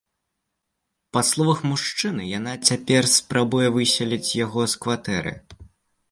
Па словах мужчыны, яна цяпер спрабуе выселіць яго з кватэры.